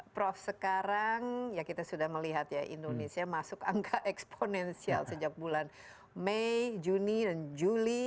prof sekarang ya kita sudah melihat ya indonesia masuk angka eksponensial sejak bulan mei juni dan juli